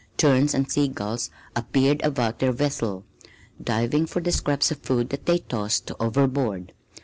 Terns and sea gulls appeared about their vessel, diving for the scraps of food that they tossed overboard.